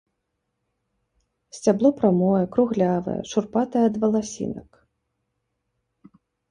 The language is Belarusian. Сцябло прамое, круглявае, шурпатае ад валасінак.